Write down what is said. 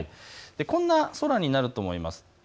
こんな空になると思います。